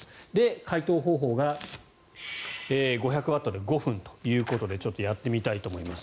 解凍方法が５００ワットで５分ということでちょっとやってみたいと思います。